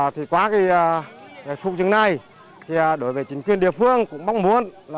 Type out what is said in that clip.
thì qua phục trừng này đối với chính quyền địa phương cũng mong muốn